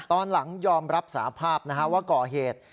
ตอนหลังยอมรับสาภาพว่าก่อเหตุ